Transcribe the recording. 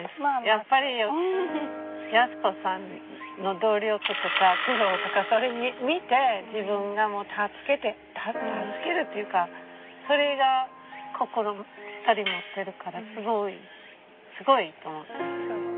やっぱり康子さんの努力とか苦労とかそれ見て自分が助けるというかそれが心に２人持ってるからすごいと思ってます。